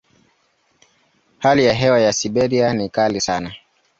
Hali ya hewa ya Siberia ni kali sana.